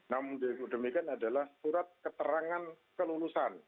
namun demikian adalah surat keterangan kelulusan